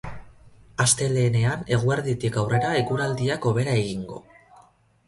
Astelehenean eguerditik aurrera eguraldiak hobera egingo.